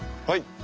はい。